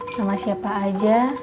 sama siapa aja